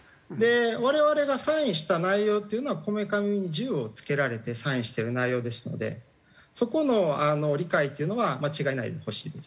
我々がサインした内容っていうのはこめかみに銃をつけられてサインしてる内容ですのでそこの理解というのは間違えないでほしいです。